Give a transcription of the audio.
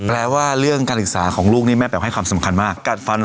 แปรว่าเรื่องความอาการของลูกแม่แปเพี่ยวให้ความอิสัยสำคัญมาก